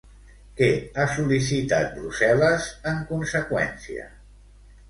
Què ha sol·licitat Brussel·les en conseqüència?